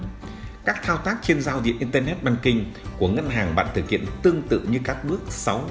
bước bốn các thao tác trên giao diện internet banking của ngân hàng bạn thực hiện tương tự như các bước sáu bảy tám chín